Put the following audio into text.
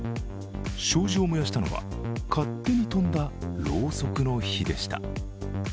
障子を燃やしたのは、勝手に飛んだろうそくの火でした。